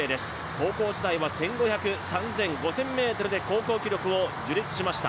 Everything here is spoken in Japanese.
高校時代は１５００ｍ、３０００ｍ５０００ｍで高校記録を樹立しました